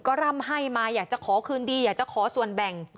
ก็ร่ำให้มาอยากจะขอคืนดีอยากจะขอส่วนแบ่ง